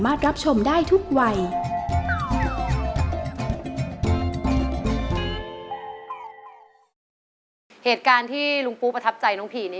รูปุ๊ปต่อการที่รูปประทับใจพี่เพียรี่